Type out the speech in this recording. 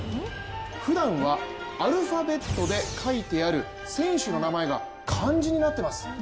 ふだんはアルファベットで書いてある選手の名前が漢字になってます。